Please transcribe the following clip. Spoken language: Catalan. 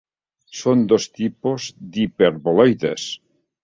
Són dos tipus d'hiperboloides.